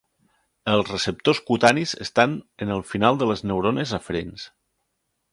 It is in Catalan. Els receptors cutanis estan en el final de les neurones aferents.